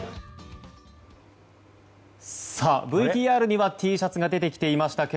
ＶＴＲにはＴシャツが出てきていましたが